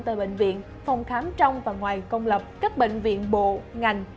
tại bệnh viện phòng khám trong và ngoài công lập các bệnh viện bộ ngành